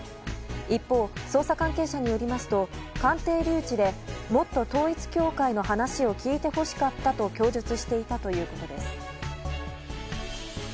一方、捜査関係者によりますと鑑定留置でもっと統一教会の話を聞いてほしかったと供述していたということです。